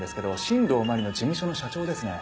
新道真理の事務所の社長ですね。